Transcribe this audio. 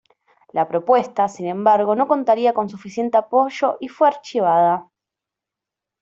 La propuesta, sin embargo, no contaría con suficiente apoyo y fue archivada.